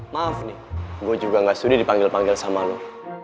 maaf nih gue juga gak studi dipanggil panggil sama lo